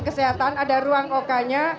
kesehatan ada ruang oka nya